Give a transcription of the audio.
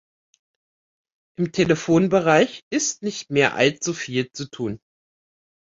Im Telefonbereich ist nicht mehr allzu viel zu tun.